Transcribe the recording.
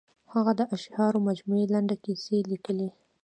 هغه د اشعارو مجموعې، لنډې کیسې لیکلي.